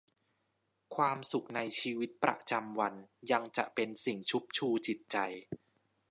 ความสุขในชีวิตประจำวันยังจะเป็นสิ่งชุบชูจิตใจ